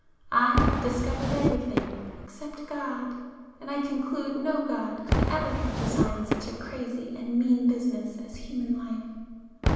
I have discovered everything—except God!—and I conclude no God could ever have designed such a crazy and mean business as human life."